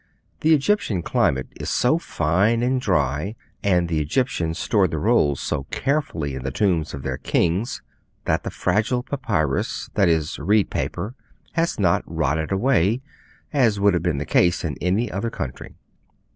The Egyptian climate is so fine and dry, and the Egyptians stored the rolls so carefully in the tombs of their kings, that the fragile papyrus that is, reed paper has not rotted away, as would have been the case in any other country.